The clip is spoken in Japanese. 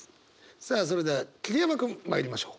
さあそれでは桐山君まいりましょう。